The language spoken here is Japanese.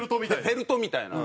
フェルトみたいな。